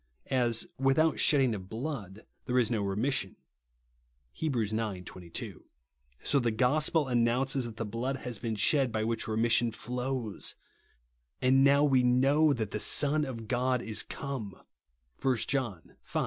As " without shed ding of blood there is no remission " (Heb. ix. 22) ; so the gospel announces that the blood has been shed by which remission flows ; and now we know that "the Son of God is come" (1 John v.